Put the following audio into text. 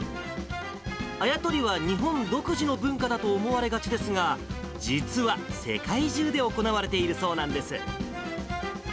あや取りは日本独自の文化だと思われがちですが、実は世界中で行われているそうなんです。